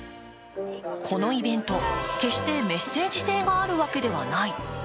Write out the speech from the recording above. このイベント、決してメッセージ性があるわけではない。